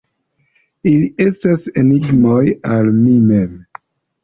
Ili estas enigmoj al mi mem.